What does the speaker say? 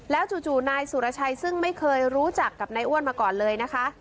จู่นายสุรชัยซึ่งไม่เคยรู้จักกับนายอ้วนมาก่อนเลยนะคะ